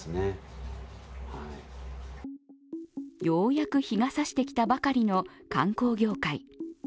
ようやく日がさしてきたばかりの観光業界。